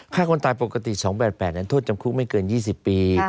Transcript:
ฆ่าคนตายปกติ๒๘๘โทษจำคุกไม่เกิน๒๐ปี